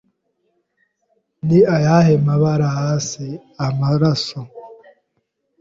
"Ni ayahe mabara hasi?" "Amaraso."